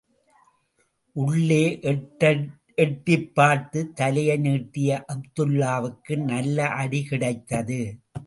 உள்ளே எட்டிப் பார்த்துத் தலையை நீட்டிய அப்துல்லாவுக்கு நல்ல அடி கிடைத்தது.